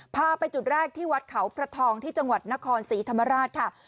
พาไปจุดแรกที่วัดเขาพระทองที่จังหวัดนครศรีธรรมราชค่ะ